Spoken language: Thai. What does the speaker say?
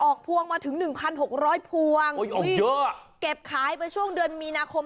พวงมาถึงหนึ่งพันหกร้อยพวงโอ้ยออกเยอะอ่ะเก็บขายไปช่วงเดือนมีนาคม